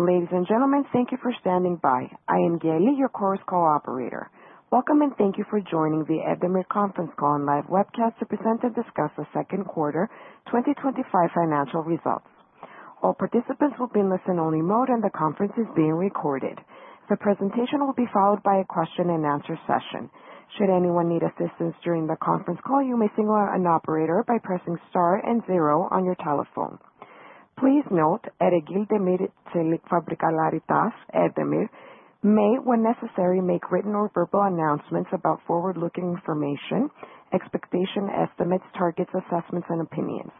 Ladies and gentlemen, thank you for standing by. I am Gayle, your call coordinator. Welcome and thank you for joining the Erdemir Conference Call and Live Webcast to present and discuss the second quarter 2025 financial results. All participants will be in listen-only mode, and the conference is being recorded. The presentation will be followed by a question-and-answer session. Should anyone need assistance during the conference call, you may speak to an operator by pressing star and zero on your telephone. Please note, at Ereğli Demir ve Çelik Fabrikaları T.A.Ş., Erdemir may, when necessary, make written or verbal announcements about forward-looking information, expectation estimates, targets, assessments, and opinions.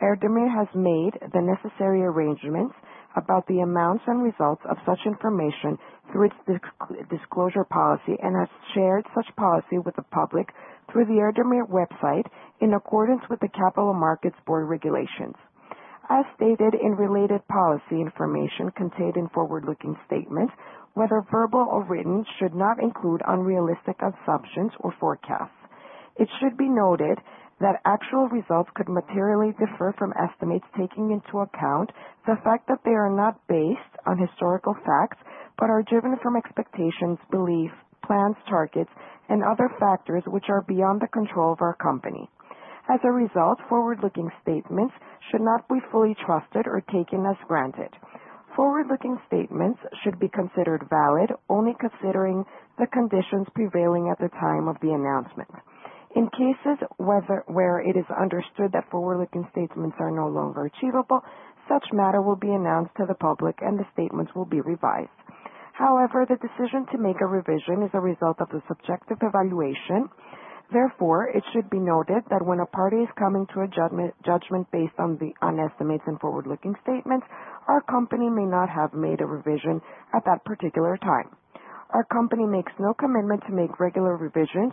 Erdemir has made the necessary arrangements about the amounts and results of such information through its disclosure policy and has shared such policy with the public through the Erdemir website in accordance with the Capital Markets Board regulations. As stated in related policy, information contained in forward-looking statements, whether verbal or written, should not include unrealistic assumptions or forecasts. It should be noted that actual results could materially differ from estimates, taking into account the fact that they are not based on historical facts but are driven from expectations, beliefs, plans, targets, and other factors which are beyond the control of our company. As a result, forward-looking statements should not be fully trusted or taken as granted. Forward-looking statements should be considered valid only considering the conditions prevailing at the time of the announcement. In cases where it is understood that forward-looking statements are no longer achievable, such matter will be announced to the public, and the statements will be revised. However, the decision to make a revision is a result of the subjective evaluation. Therefore, it should be noted that when a party is coming to a judgment based on the estimates and forward-looking statements, our company may not have made a revision at that particular time. Our company makes no commitment to make regular revisions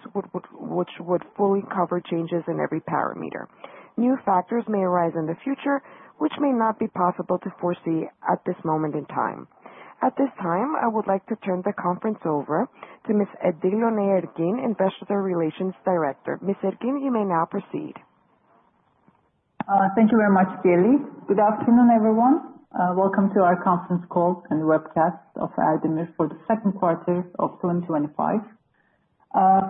which would fully cover changes in every parameter. New factors may arise in the future which may not be possible to foresee at this moment in time. At this time, I would like to turn the conference over to Ms. İdil Önay Ergin, Investor Relations Director. Ms. Ergin, you may now proceed. Thank you very much, Gayle. Good afternoon, everyone. Welcome to our conference call and webcast of Erdemir for the second quarter of 2025.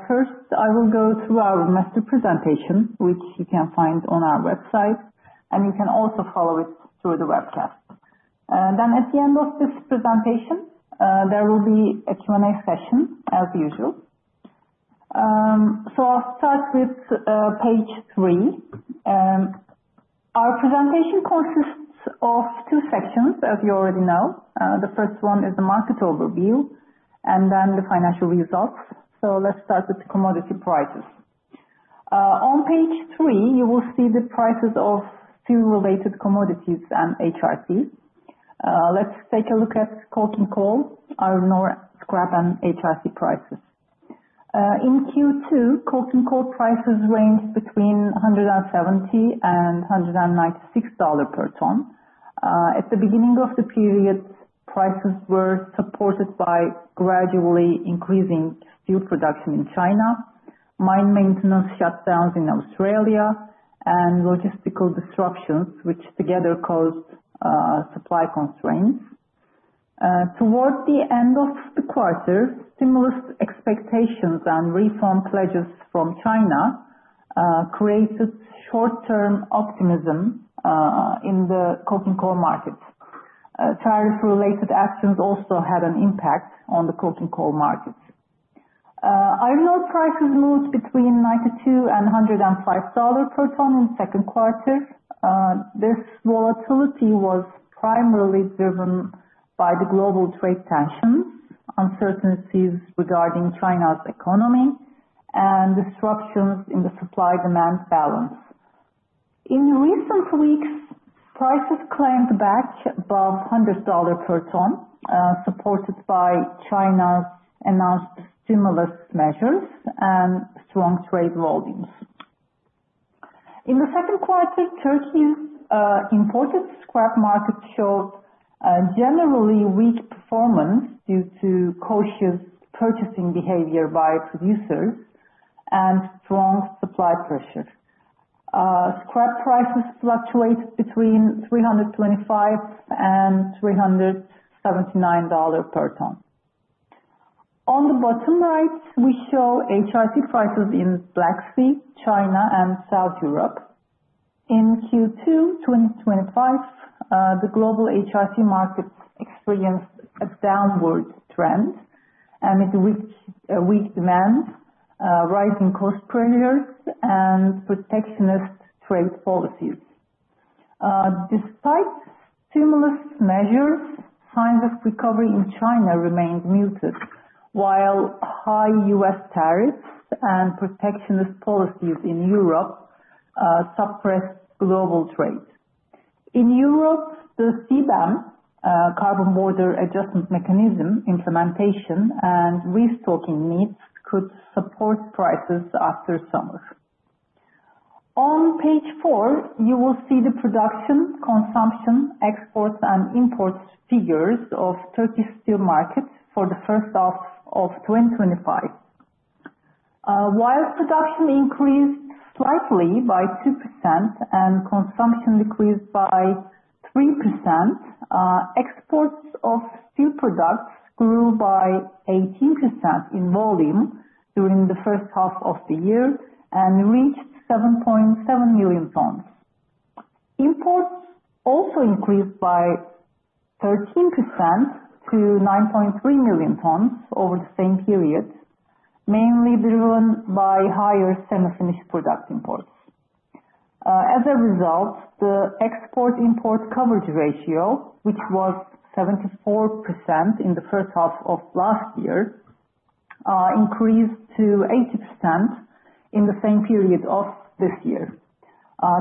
First, I will go through our master presentation, which you can find on our website, and you can also follow it through the webcast. Then, at the end of this presentation, there will be a Q&A session as usual. So I'll start with page three. Our presentation consists of two sections, as you already know. The first one is the market overview, and then the financial results. So let's start with commodity prices. On page three, you will see the prices of steel-related commodities and HRC. Let's take a look at coking coal, iron ore, scrap, and HRC prices. In Q2, coking coal prices ranged between $170 and $196 per ton. At the beginning of the period, prices were supported by gradually increasing steel production in China, mine maintenance shutdowns in Australia, and logistical disruptions, which together caused supply constraints. Toward the end of the quarter, stimulus expectations and reform pledges from China created short-term optimism in the coking coal market. Tariff-related actions also had an impact on the coking coal market. Iron ore prices moved between $92 and $105 per ton in the second quarter. This volatility was primarily driven by the global trade tensions, uncertainties regarding China's economy, and disruptions in the supply-demand balance. In recent weeks, prices climbed back above $100 per ton, supported by China's announced stimulus measures and strong trade volumes. In the second quarter, Turkey's imported scrap market showed generally weak performance due to cautious purchasing behavior by producers and strong supply pressure. Scrap prices fluctuated between $325 and $379 per ton. On the bottom right, we show HRC prices in Black Sea, China, and South Europe. In Q2 2025, the global HRC market experienced a downward trend amid weak demand, rising cost pressures, and protectionist trade policies. Despite stimulus measures, signs of recovery in China remained muted, while high U.S. tariffs and protectionist policies in Europe suppressed global trade. In Europe, the CBAM, Carbon Border Adjustment Mechanism implementation, and restocking needs could support prices after summer. On page four, you will see the production, consumption, exports, and imports figures of Turkey's steel market for the first half of 2025. While production increased slightly by 2% and consumption decreased by 3%, exports of steel products grew by 18% in volume during the first half of the year and reached 7.7 million tons. Imports also increased by 13% to 9.3 million tons over the same period, mainly driven by higher semi-finished product imports. As a result, the export-import coverage ratio, which was 74% in the first half of last year, increased to 80% in the same period of this year,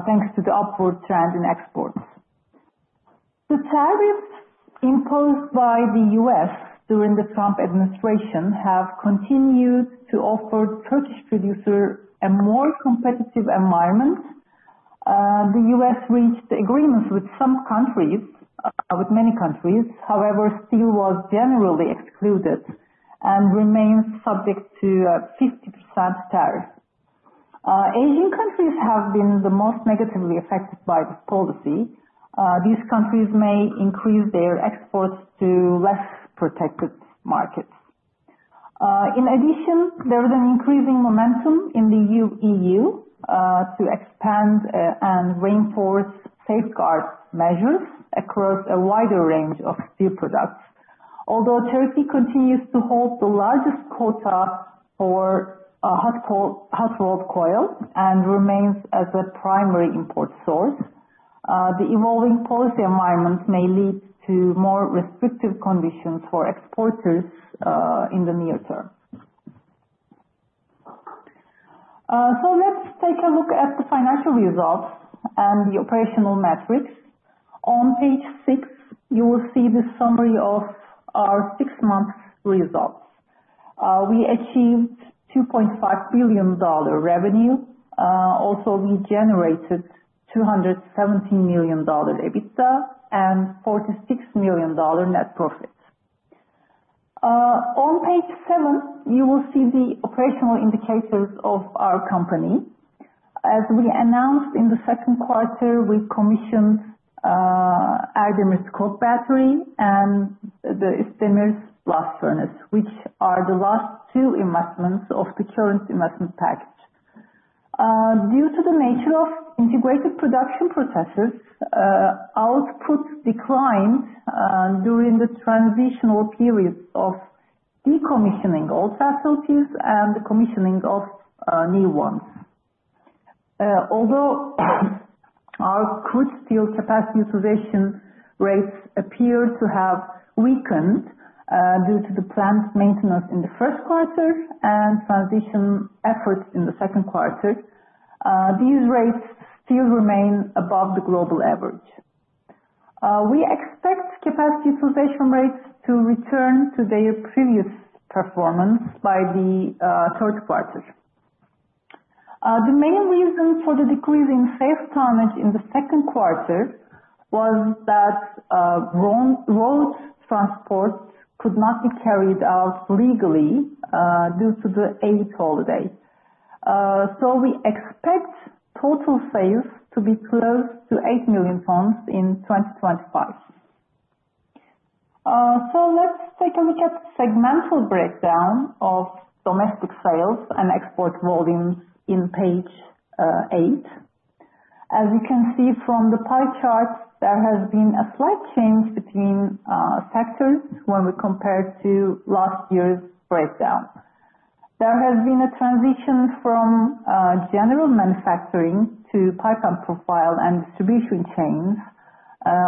thanks to the upward trend in exports. The tariffs imposed by the U.S. during the Trump administration have continued to offer Turkish producers a more competitive environment. The U.S. reached agreements with some countries, with many countries. However, steel was generally excluded and remained subject to a 50% tariff. Asian countries have been the most negatively affected by this policy. These countries may increase their exports to less protected markets. In addition, there is an increasing momentum in the EU to expand and reinforce safeguard measures across a wider range of steel products. Although Turkey continues to hold the largest quota for hot-rolled coil and remains as a primary import source, the evolving policy environment may lead to more restrictive conditions for exporters in the near term. So let's take a look at the financial results and the operational metrics. On page six, you will see the summary of our six-month results. We achieved $2.5 billion revenue. Also, we generated $217 million EBITDA and $46 million net profit. On page seven, you will see the operational indicators of our company. As we announced in the second quarter, we commissioned Erdemir's coke battery and the Isdemir's blast furnace, which are the last two investments of the current investment package. Due to the nature of integrated production processes, output declined during the transitional periods of decommissioning old facilities and the commissioning of new ones. Although our crude steel capacity utilization rates appear to have weakened due to the plant maintenance in the first quarter and transition efforts in the second quarter, these rates still remain above the global average. We expect capacity utilization rates to return to their previous performance by the third quarter. The main reason for the decrease in sales tonnage in the second quarter was that road transport could not be carried out legally due to the Eid holiday. So we expect total sales to be close to eight million tons in 2025. So let's take a look at the segmental breakdown of domestic sales and export volumes in page eight. As you can see from the pie chart, there has been a slight change between sectors when we compare to last year's breakdown. There has been a transition from general manufacturing to pipeline profile and distribution chains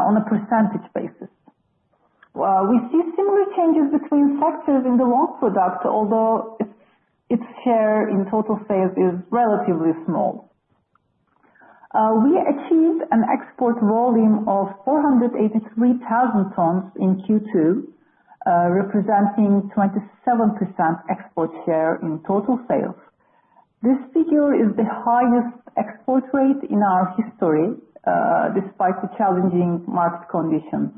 on a percentage basis. We see similar changes between sectors in the long product, although its share in total sales is relatively small. We achieved an export volume of 483,000 tons in Q2, representing 27% export share in total sales. This figure is the highest export rate in our history, despite the challenging market conditions.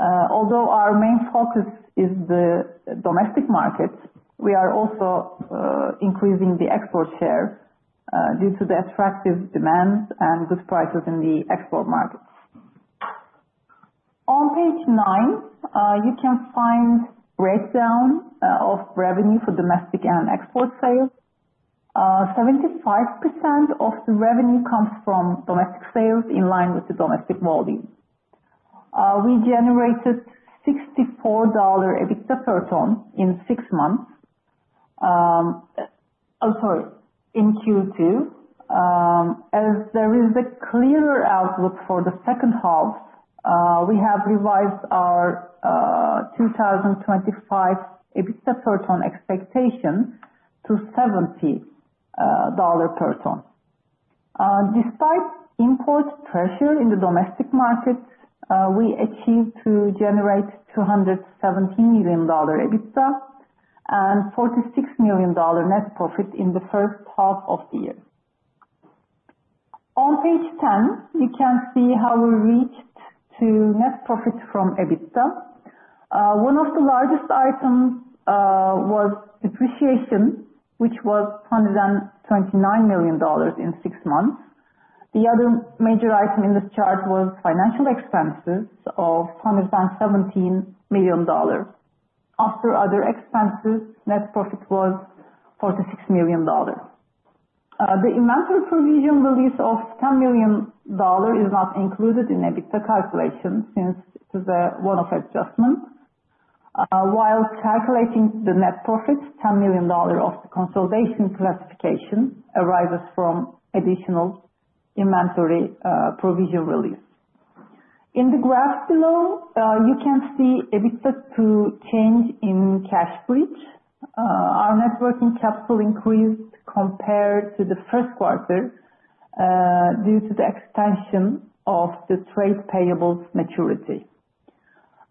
Although our main focus is the domestic market, we are also increasing the export share due to the attractive demand and good prices in the export markets. On page nine, you can find a breakdown of revenue for domestic and export sales. 75% of the revenue comes from domestic sales in line with the domestic volume. We generated $64 EBITDA per ton in six months in Q2. As there is a clearer outlook for the second half, we have revised our 2025 EBITDA per ton expectation to $70 per ton. Despite import pressure in the domestic market, we achieved to generate $217 million EBITDA and $46 million net profit in the first half of the year. On page 10, you can see how we reached to net profit from EBITDA. One of the largest items was depreciation, which was $129 million in six months. The other major item in this chart was financial expenses of $117 million. After other expenses, net profit was $46 million. The inventory provision release of $10 million is not included in EBITDA calculation since it is one of adjustments. While calculating the net profit, $10 million of the consolidation classification arises from additional inventory provision release. In the graph below, you can see EBITDA to cash bridge. Our working capital increased compared to the first quarter due to the extension of the trade payables maturity.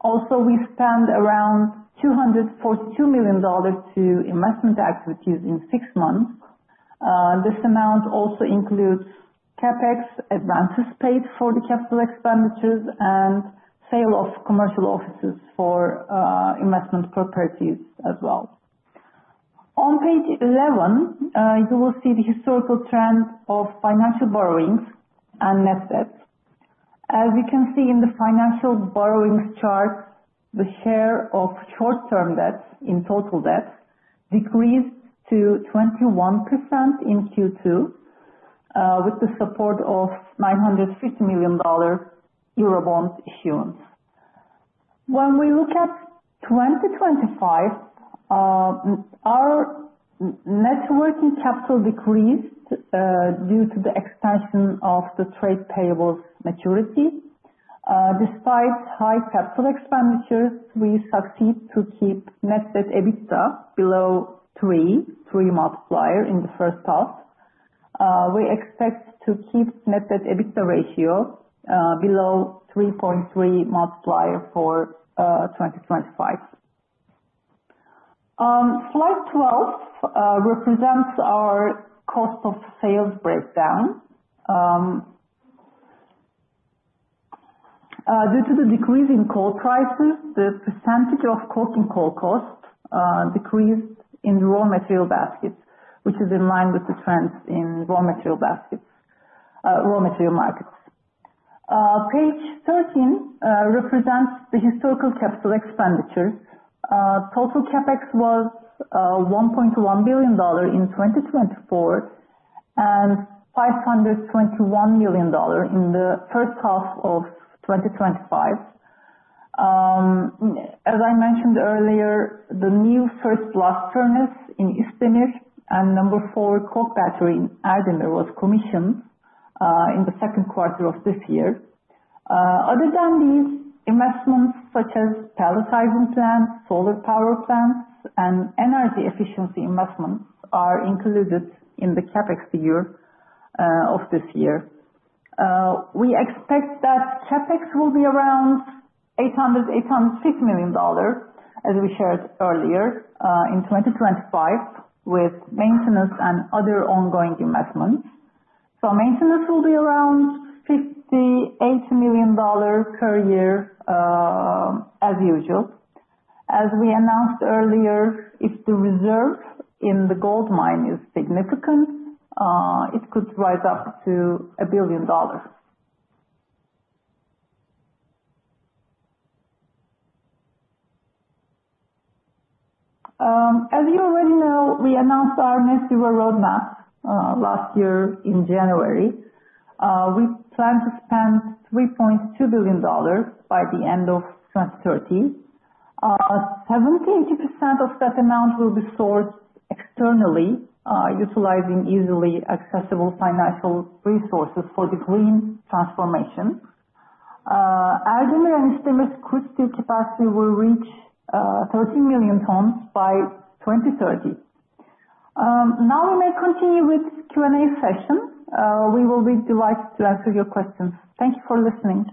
Also, we spent around $242 million on investing activities in six months. This amount also includes CapEx advances paid for the capital expenditures and sale of commercial offices for investment properties as well. On page 11, you will see the historical trend of financial borrowings and net debt. As you can see in the financial borrowings chart, the share of short-term debt in total debt decreased to 21% in Q2 with the support of $950 million Eurobond issuance. When we look at 2025, our working capital decreased due to the extension of the trade payables maturity. Despite high capital expenditures, we succeeded to keep net debt EBITDA below 3.3 multiplier in the first half. We expect to keep net debt EBITDA ratio below 3.3 multiplier for 2025. Slide 12 represents our cost of sales breakdown. Due to the decrease in coal prices, the percentage of coking coal cost decreased in raw material baskets, which is in line with the trends in raw material markets. Page 13 represents the historical capital expenditures. Total CapEx was $1.1 billion in 2024 and $521 million in the first half of 2025. As I mentioned earlier, the new first blast furnace in Isdemir and number four coal battery in Erdemir was commissioned in the second quarter of this year. Other than these, investments such as pelletizing plants, solar power plants, and energy efficiency investments are included in the CapEx figure of this year. We expect that CapEx will be around $800-$850 million, as we shared earlier, in 2025 with maintenance and other ongoing investments. Maintenance will be around $58 million per year, as usual. As we announced earlier, if the reserve in the gold mine is significant, it could rise up to $1 billion. As you already know, we announced our net zero roadmap last year in January. We plan to spend $3.2 billion by the end of 2030. 70%-80% of that amount will be sourced externally, utilizing easily accessible financial resources for the green transformation. Erdemir and Isdemir's crude steel capacity will reach 13 million tons by 2030. Now we may continue with Q&A session. We will be delighted to answer your questions. Thank you for listening.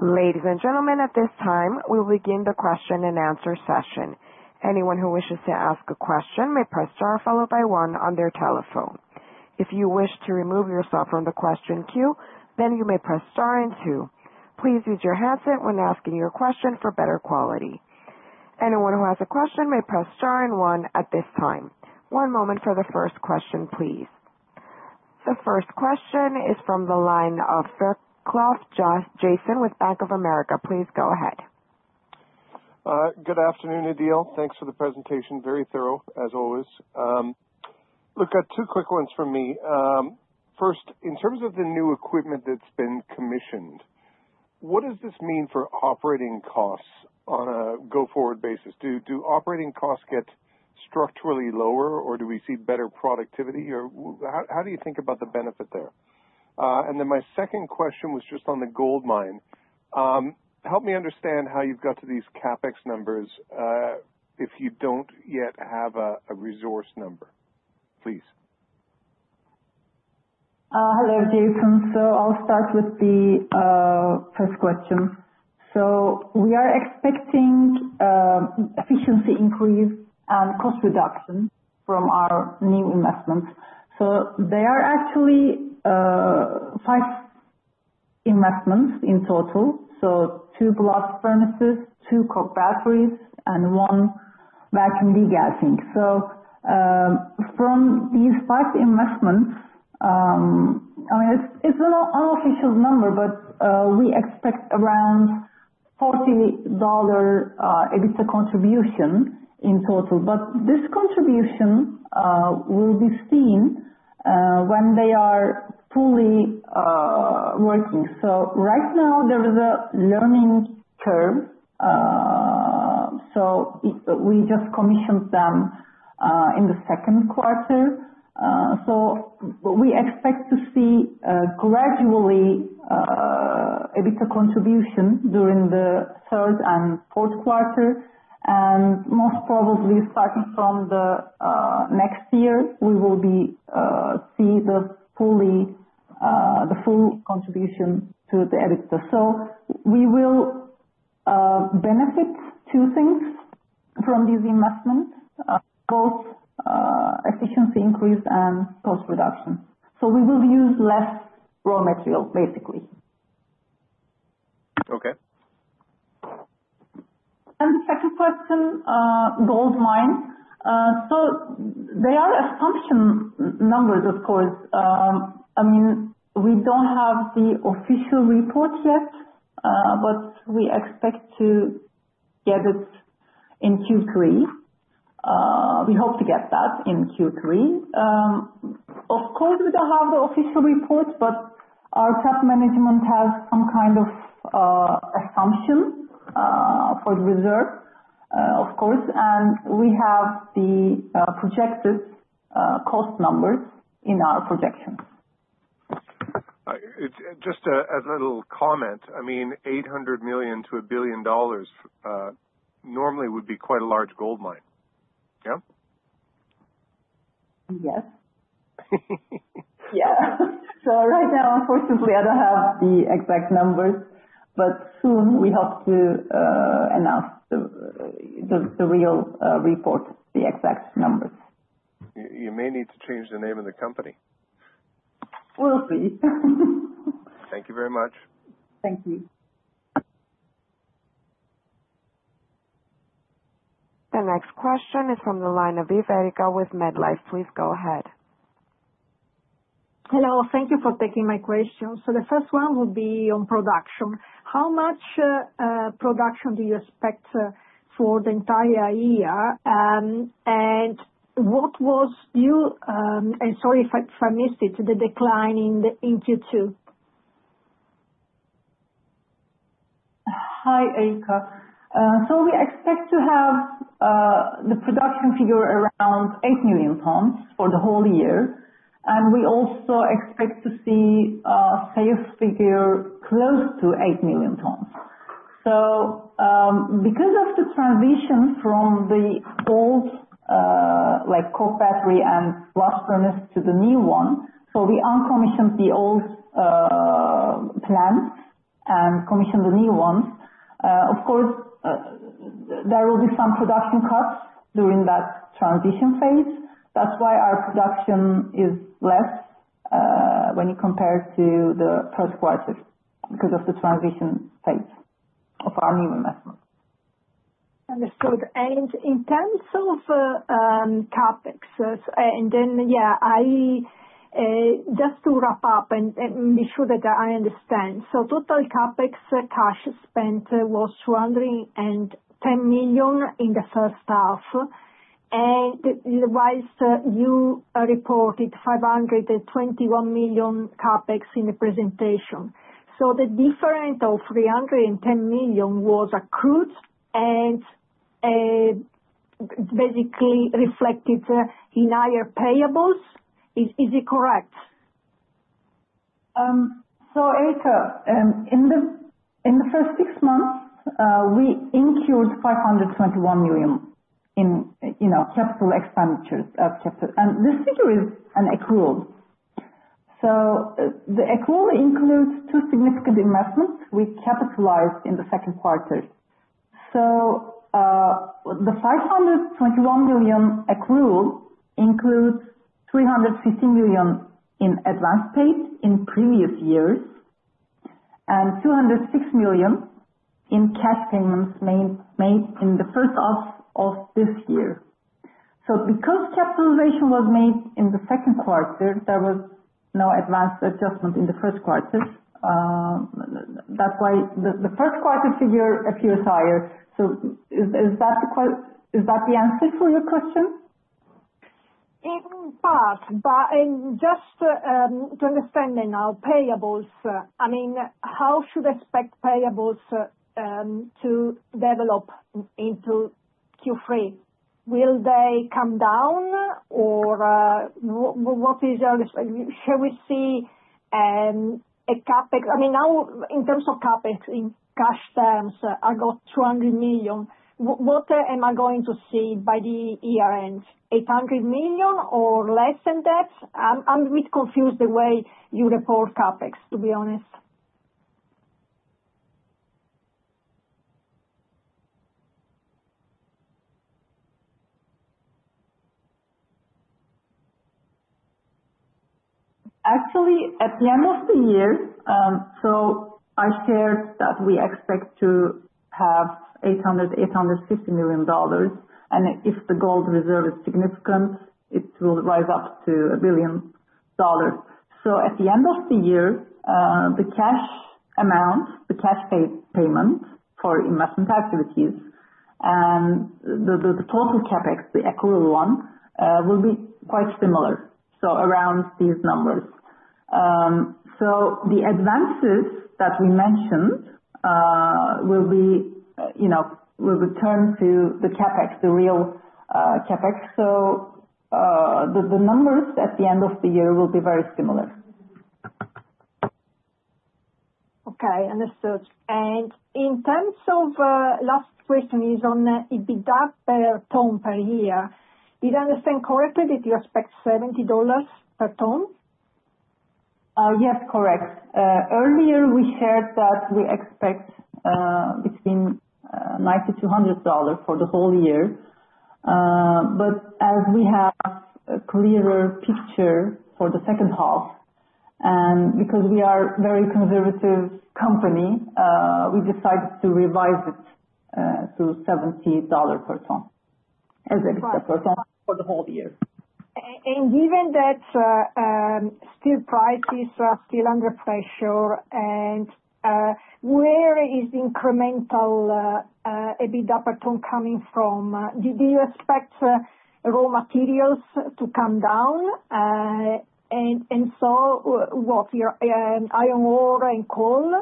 Ladies and gentlemen, at this time, we will begin the question and answer session. Anyone who wishes to ask a question may press star followed by one on their telephone. If you wish to remove yourself from the question queue, then you may press star and two. Please use your hands when asking your question for better quality. Anyone who has a question may press star and one at this time. One moment for the first question, please. The first question is from the line of Jason Fairclough with Bank of America. Please go ahead. Good afternoon, Idil. Thanks for the presentation. Very thorough, as always. Look, two quick ones from me. First, in terms of the new equipment that's been commissioned, what does this mean for operating costs on a go-forward basis? Do operating costs get structurally lower, or do we see better productivity? How do you think about the benefit there? And then my second question was just on the gold mine. Help me understand how you've got to these CapEx numbers if you don't yet have a resource number, please. Hello, Jason. So I'll start with the first question. We are expecting efficiency increase and cost reduction from our new investments. So there are actually five investments in total. So two blast furnaces, two coke batteries, and one vacuum degassing. So from these five investments, I mean, it's an unofficial number, but we expect around $40 EBITDA contribution in total. But this contribution will be seen when they are fully working. So right now, there is a learning curve. So we just commissioned them in the second quarter. So we expect to see gradually EBITDA contribution during the third and fourth quarter. And most probably, starting from the next year, we will see the full contribution to the EBITDA. So we will benefit two things from these investments, both efficiency increase and cost reduction. So we will use less raw material, basically. Okay. And the second question, gold mine. So they are assumption numbers, of course. I mean, we don't have the official report yet, but we expect to get it in Q3. We hope to get that in Q3. Of course, we don't have the official report, but our top management has some kind of assumption for the reserve, of course. And we have the projected cost numbers in our projection. Just as a little comment, I mean, $800 million-$1 billion normally would be quite a large gold mine. Yeah? Yes. Yeah. So right now, unfortunately, I don't have the exact numbers, but soon we hope to announce the real report, the exact numbers. You may need to change the name of the company. We'll see. Thank you very much. Thank you. The next question is from the line of Erica with MetLife. Please go ahead. Hello. Thank you for taking my question. So the first one will be on production. How much production do you expect for the entire year? And what was your, sorry if I missed it, the decline in Q2? Hi, Erica. So we expect to have the production figure around 8 million tons for the whole year. And we also expect to see a sales figure close to 8 million tons. So because of the transition from the old coal battery and blast furnace to the new one, so we decommissioned the old plants and commissioned the new ones. Of course, there will be some production cuts during that transition phase. That's why our production is less when you compare to the first quarter because of the transition phase of our new investment. Understood. And in terms of CapEx, and then, yeah, just to wrap up and be sure that I understand. So total CapEx cash spent was $210 million in the first half. While you reported $521 million CapEx in the presentation, the difference of $310 million was accrued and basically reflected in higher payables. Is it correct? Erica, in the first six months, we incurred $521 million in capital expenditures. This figure is an accrual. The accrual includes two significant investments we capitalized in the second quarter. The $521 million accrual includes $350 million in advance paid in previous years and $206 million in cash payments made in the first half of this year. Because capitalization was made in the second quarter, there was no advance adjustment in the first quarter. That's why the first quarter figure appears higher. Is that the answer for your question? It's part. Just to understand now, payables, I mean, how should we expect payables to develop into Q3? Will they come down, or what is your, shall we see a CapEx? I mean, now, in terms of CapEx in cash terms, I got $200 million. What am I going to see by the year end? $800-$850 million or less than that? I'm a bit confused the way you report CapEx, to be honest. Actually, at the end of the year, so I shared that we expect to have $800-$850 million. And if the gold reserve is significant, it will rise up to $1 billion. So at the end of the year, the cash amount, the cash payment for investment activities and the total CapEx, the accrual one, will be quite similar, so around these numbers. So the advances that we mentioned will be, we will turn to the CapEx, the real CapEx. So the numbers at the end of the year will be very similar. Okay. Understood. In terms of the last question is on EBITDA per ton per year, did I understand correctly that you expect $70 per ton? Yes, correct. Earlier, we shared that we expect between $90-$100 for the whole year. But as we have a clearer picture for the second half, and because we are a very conservative company, we decided to revise it to $70 per ton as EBITDA per ton for the whole year. Given that steel prices are still under pressure, where is the incremental EBITDA per ton coming from? Do you expect raw materials to come down? And so what, iron ore and coal?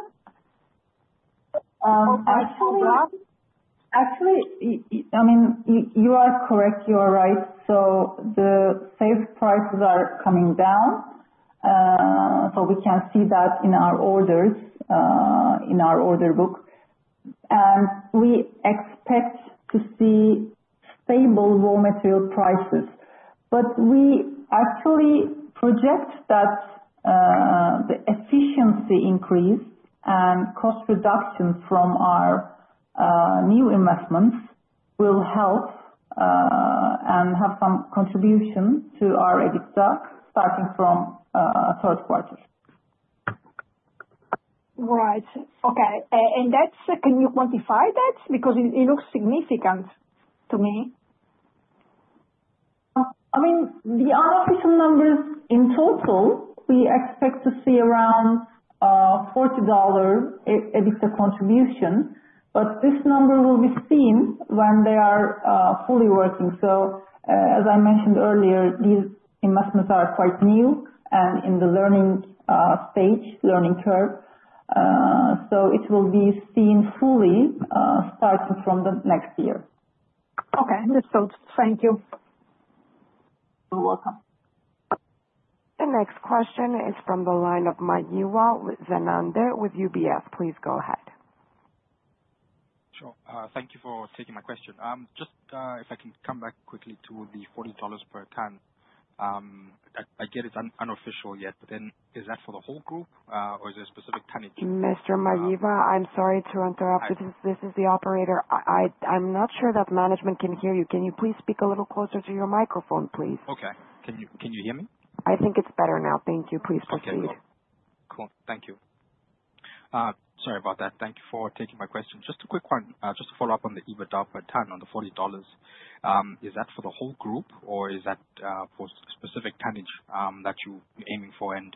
Actually, I mean, you are correct. You are right. So the sales prices are coming down. So we can see that in our orders, in our order book. And we expect to see stable raw material prices. But we actually project that the efficiency increase and cost reduction from our new investments will help and have some contribution to our EBITDA starting from third quarter. Right. Okay. And can you quantify that? Because it looks significant to me. I mean, the unofficial numbers in total, we expect to see around $40 EBITDA contribution. But this number will be seen when they are fully working. So as I mentioned earlier, these investments are quite new and in the learning stage, learning curve. So it will be seen fully starting from the next year. Okay. Understood. Thank you. You're welcome. The next question is from the line of Meyiwa Zenande with UBS. Please go ahead. Sure. Thank you for taking my question. Just, if I can come back quickly to the $40 per ton, I get it's unofficial yet, but then is that for the whole group, or is there a specific tonnage? Ms. Maeva, I'm sorry to interrupt. This is the operator. I'm not sure that management can hear you. Can you please speak a little closer to your microphone, please? Okay. Can you hear me? I think it's better now. Thank you. Please proceed. Okay. Cool. Thank you. Sorry about that. Thank you for taking my question. Just a quick one, just to follow up on the EBITDA per ton on the $40, is that for the whole group, or is that for specific tonnage that you're aiming for? And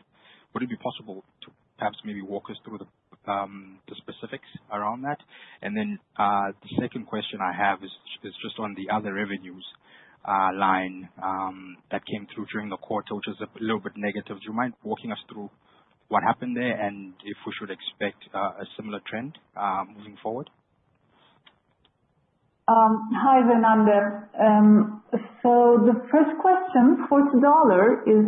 would it be possible to perhaps maybe walk us through the specifics around that? And then the second question I have is just on the other revenues line that came through during the quarter, which is a little bit negative. Do you mind walking us through what happened there and if we should expect a similar trend moving forward? Hi, Zenander. So the first question, $40, is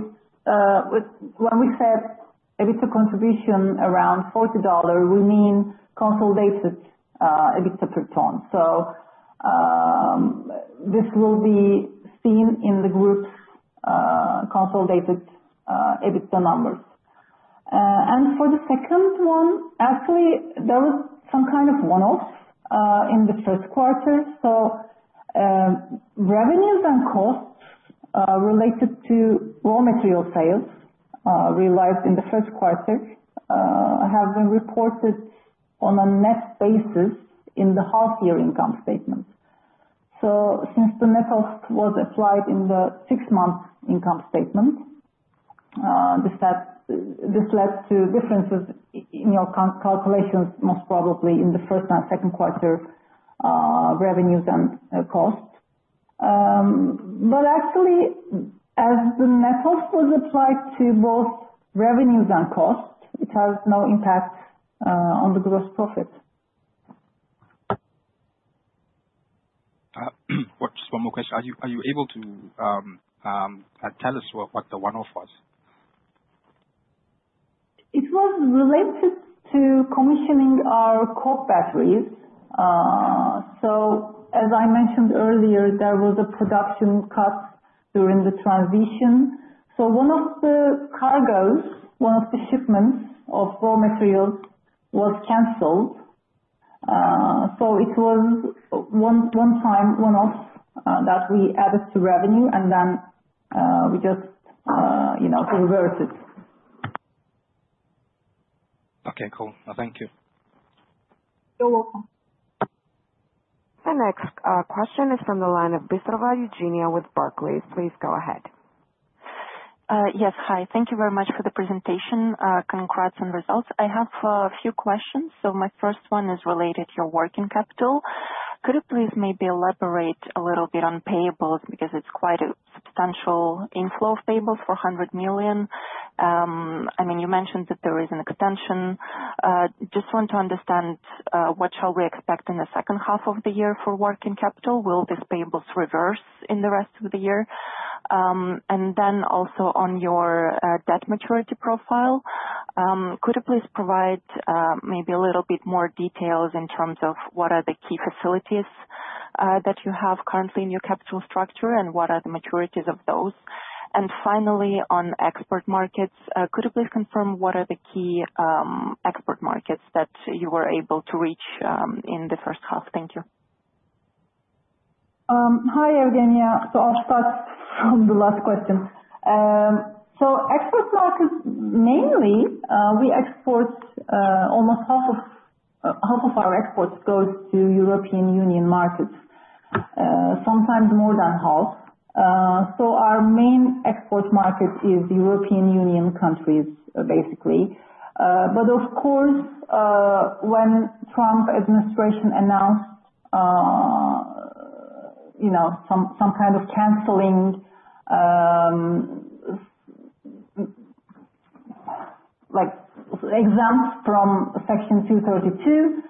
when we said EBITDA contribution around $40, we mean consolidated EBITDA per ton. So this will be seen in the group's consolidated EBITDA numbers. And for the second one, actually, there was some kind of one-off in the first quarter. So revenues and costs related to raw material sales realized in the first quarter have been reported on a net basis in the half-year income statement. So since the net cost was applied in the six-month income statement, this led to differences in your calculations, most probably in the first and second quarter revenues and costs. But actually, as the net cost was applied to both revenues and costs, it has no impact on the gross profit. Just one more question. Are you able to tell us what the one-off was? It was related to commissioning our coal batteries. So as I mentioned earlier, there was a production cut during the transition. So one of the cargoes, one of the shipments of raw materials was canceled. So it was one-time one-off that we added to revenue, and then we just reversed it. Okay. Cool. Thank you. You're welcome. The next question is from the line of Bistrova, Evgenia with Barclays. Please go ahead. Yes. Hi. Thank you very much for the presentation. Congrats on results. I have a few questions. So my first one is related to your working capital. Could you please maybe elaborate a little bit on payables because it's quite a substantial inflow of payables for $100 million? I mean, you mentioned that there is an extension. Just want to understand what shall we expect in the second half of the year for working capital? Will these payables reverse in the rest of the year? And then also on your debt maturity profile, could you please provide maybe a little bit more details in terms of what are the key facilities that you have currently in your capital structure and what are the maturities of those? And finally, on export markets, could you please confirm what are the key export markets that you were able to reach in the first half? Thank you. Hi, Eugenia. So I'll start from the last question. Export markets, mainly, we export almost half of our exports goes to European Union markets, sometimes more than half. So our main export market is European Union countries, basically. But of course, when the Trump administration announced some kind of canceling, like exempt from Section 232,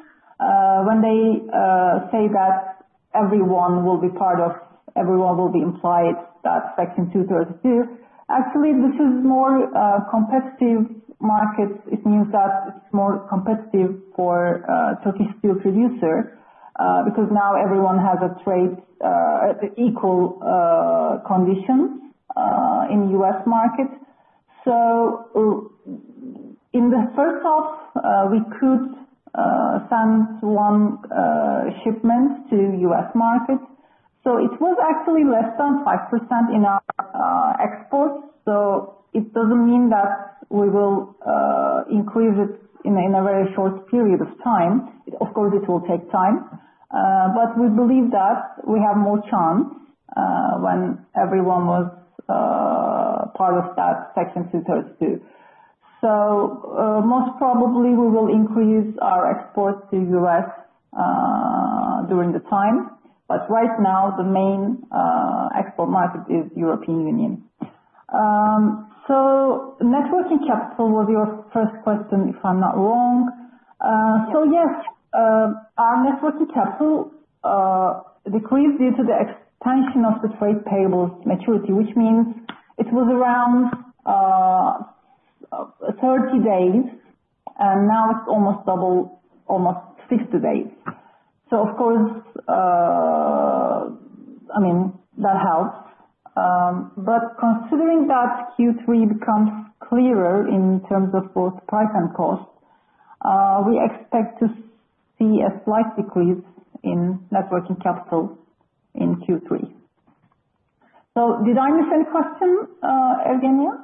when they say that everyone will be part of included that Section 232, actually, this is more competitive markets. It means that it's more competitive for Turkish steel producers because now everyone has equal conditions in the U.S. market. So in the first half, we could send one shipment to the U.S. market. So it was actually less than 5% in our exports. So it doesn't mean that we will increase it in a very short period of time. Of course, it will take time. But we believe that we have more chance when everyone was part of that Section 232. So most probably, we will increase our exports to the U.S. during the time. But right now, the main export market is the European Union. So working capital was your first question, if I'm not wrong. So yes, our working capital decreased due to the extension of the trade payables maturity, which means it was around 30 days, and now it's almost double, almost 60 days. So of course, I mean, that helps. But considering that Q3 becomes clearer in terms of both price and cost, we expect to see a slight decrease in working capital in Q3. So did I miss any question, Eugenia?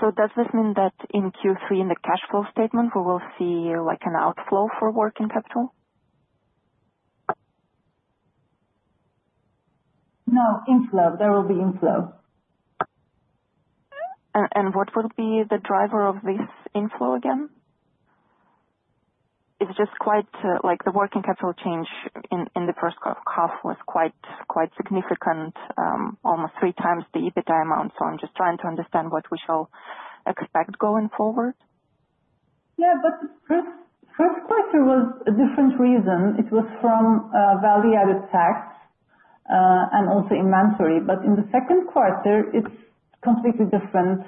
So does this mean that in Q3, in the cash flow statement, we will see an outflow for working capital? No, inflow. There will be inflow. And what will be the driver of this inflow again? It's just quite like the working capital change in the first half was quite significant, almost three times the EBITDA amount. So I'm just trying to understand what we shall expect going forward. Yeah. But the first quarter was a different reason. It was from value-added tax and also inventory. But in the second quarter, it's a completely different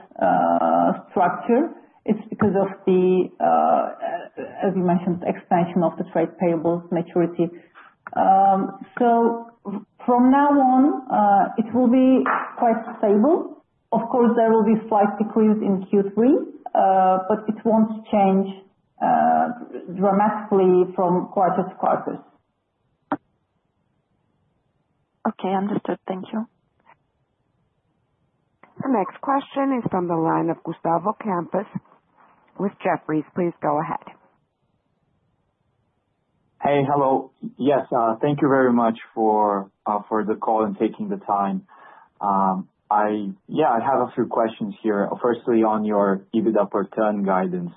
structure. It's because of the, as you mentioned, extension of the trade payables maturity. So from now on, it will be quite stable. Of course, there will be a slight decrease in Q3, but it won't change dramatically from quarter to quarter. Okay. Understood. Thank you. The next question is from the line of Gustavo Campos with Jefferies. Please go ahead. Hey, hello. Yes. Thank you very much for the call and taking the time. Yeah, I have a few questions here. Firstly, on your EBITDA per ton guidance.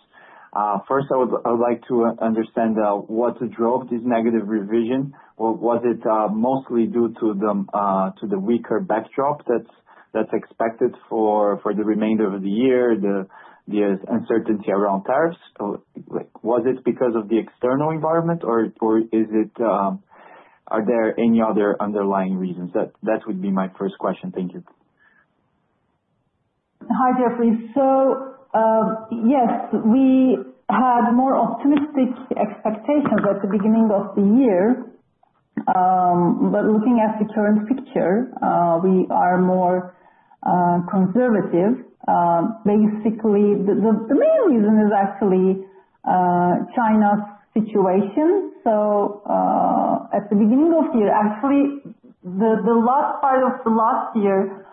First, I would like to understand what drove this negative revision. Was it mostly due to the weaker backdrop that's expected for the remainder of the year, the uncertainty around tariffs? Was it because of the external environment, or are there any other underlying reasons? That would be my first question. Thank you. Hi, Jefferies. So yes, we had more optimistic expectations at the beginning of the year. But looking at the current picture, we are more conservative. Basically, the main reason is actually China's situation. So at the beginning of the year, actually, the last part of the last year,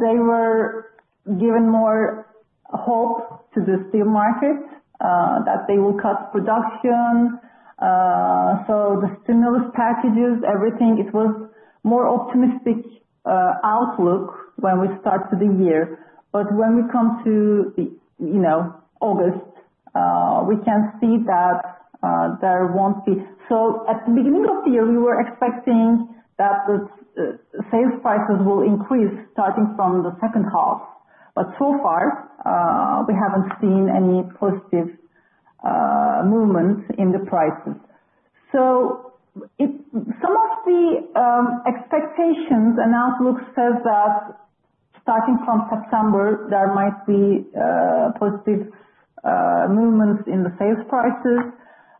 they were given more hope to the steel market that they will cut production. So the stimulus packages, everything, it was a more optimistic outlook when we started the year. But when we come to August, we can see that there won't be. So at the beginning of the year, we were expecting that the sales prices will increase starting from the second half. But so far, we haven't seen any positive movement in the prices. So some of the expectations and outlook says that starting from September, there might be positive movements in the sales prices.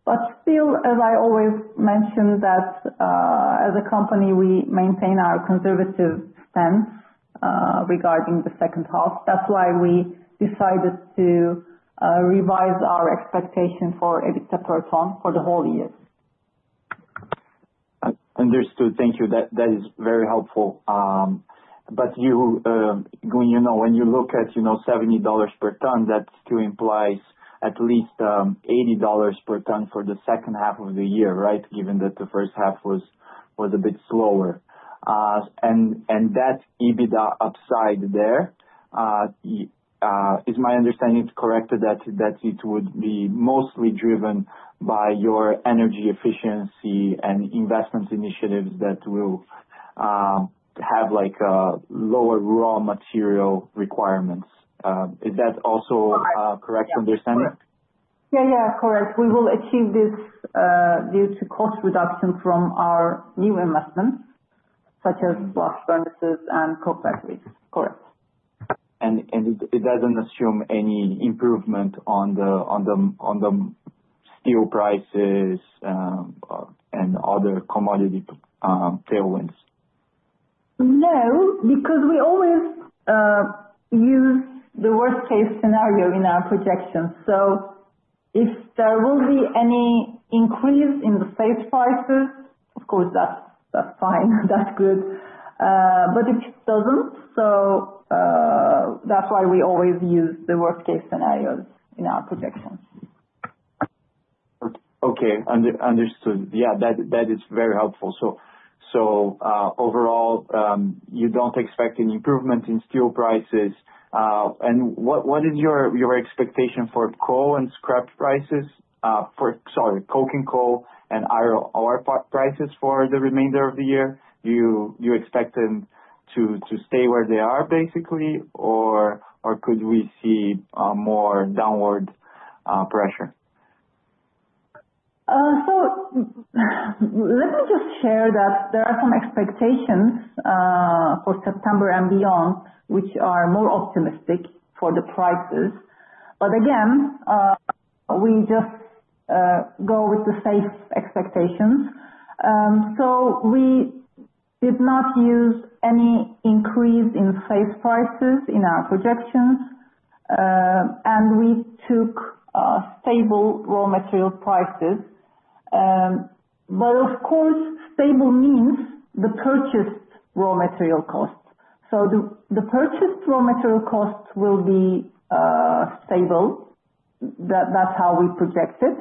But still, as I always mentioned, that as a company, we maintain our conservative stance regarding the second half. That's why we decided to revise our expectation for EBITDA per ton for the whole year. Understood. Thank you. That is very helpful. But when you look at $70 per ton, that still implies at least $80 per ton for the second half of the year, right, given that the first half was a bit slower. And that EBITDA upside there, is my understanding correct that it would be mostly driven by your energy efficiency and investment initiatives that will have lower raw material requirements? Is that also a correct understanding? Yeah, yeah. Correct. We will achieve this due to cost reduction from our new investments, such as blast furnaces and coal batteries. Correct. And it doesn't assume any improvement on the steel prices and other commodity tailwinds? No, because we always use the worst-case scenario in our projections. So if there will be any increase in the sales prices, of course, that's fine. That's good. But if it doesn't, so that's why we always use the worst-case scenarios in our projections. Okay. Understood. Yeah, that is very helpful. So overall, you don't expect any improvement in steel prices. And what is your expectation for coal and scrap prices? Sorry, coking coal and oil prices for the remainder of the year? Do you expect them to stay where they are, basically, or could we see more downward pressure? So let me just share that there are some expectations for September and beyond, which are more optimistic for the prices. But again, we just go with the safe expectations. So we did not use any increase in sales prices in our projections, and we took stable raw material prices. But of course, stable means the purchased raw material cost. So the purchased raw material cost will be stable. That's how we project it.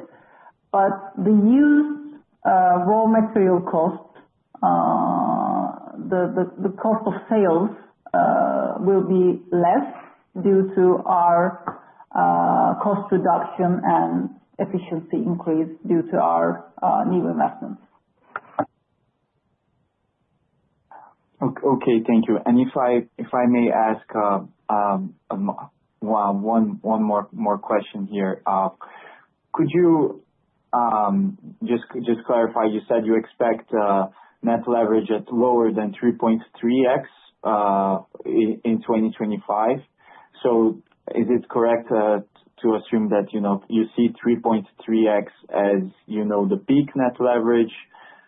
But the used raw material cost, the cost of sales, will be less due to our cost reduction and efficiency increase due to our new investments. Okay. Thank you. And if I may ask one more question here, could you just clarify? You said you expect net leverage at lower than 3.3x in 2025. So is it correct to assume that you see 3.3x as the peak net leverage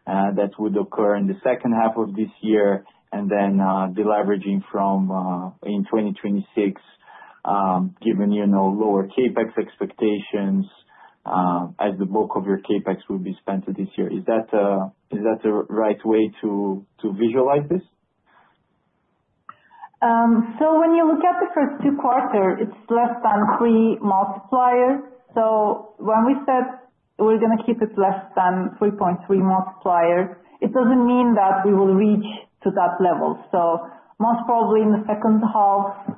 that would occur in the second half of this year, and then the deleveraging in 2026, given lower CapEx expectations as the bulk of your CapEx will be spent this year? Is that the right way to visualize this? So when you look at the first two quarters, it's less than 3.3 multipliers. So when we said we're going to keep it less than 3.3 multipliers, it doesn't mean that we will reach to that level. So most probably, in the second half,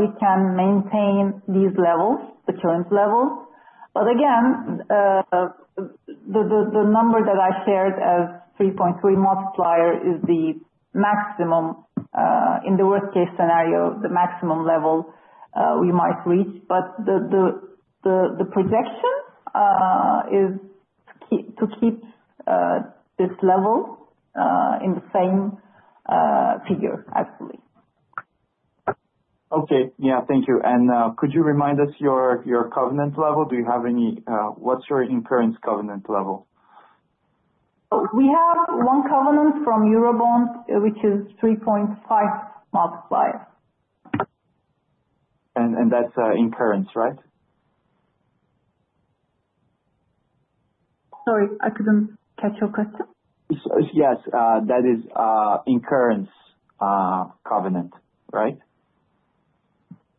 we can maintain these levels, the current levels. But again, the number that I shared as 3.3 multiplier is the maximum in the worst-case scenario, the maximum level we might reach. But the projection is to keep this level in the same figure, actually. Okay. Yeah. Thank you. And could you remind us your covenant level? Do you have any? What's your incurrence covenant level? We have one covenant from Eurobond, which is 3.5 multiplier. And that's incurrence, right? Sorry, I couldn't catch your question. Yes. That is incurrence covenant, right?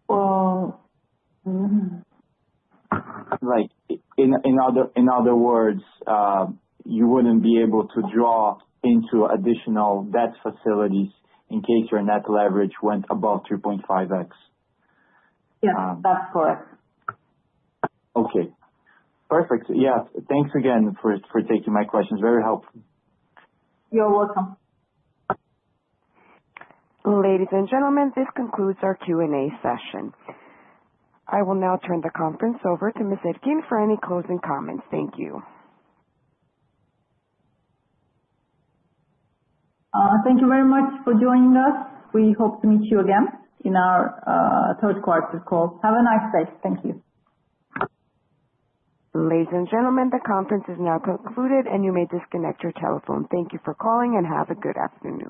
Well. In other words, you wouldn't be able to draw into additional debt facilities in case your net leverage went above 3.5x? Yes, that's correct. Okay. Perfect. Yeah. Thanks again for taking my questions. Very helpful. You're welcome. Ladies and gentlemen, this concludes our Q&A session. I will now turn the conference over to Ms. Ergin for any closing comments. Thank you. Thank you very much for joining us. We hope to meet you again in our third quarter call. Have a nice day. Thank you. Ladies and gentlemen, the conference is now concluded, and you may disconnect your telephone. Thank you for calling, and have a good afternoon.